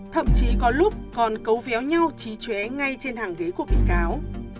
thậm chí có lúc còn cấu véo nhau trí chế ngay trên hàng ghế của bị cáo